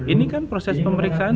ini kan proses pemeriksaan